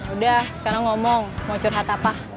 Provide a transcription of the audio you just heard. udah sekarang ngomong mau curhat apa